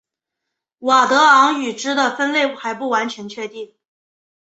佤德昂语支的分类还不完全确定。